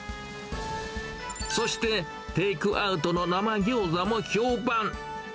そして、テイクアウトの生ぎょうざも評判。